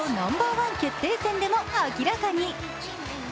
１決定戦でも明らかに。